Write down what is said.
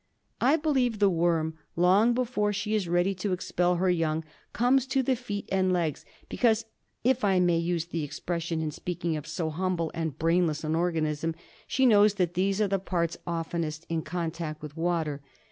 j^ I believe the worm, long before she is ready to expel her young, comes to the feet and legs because, if I may use the expression in speaking of so humble and brainless an organism, she knows that these are the parts oftenest in contact with water.